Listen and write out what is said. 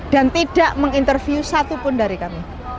dan tidak menginterview satupun dari kami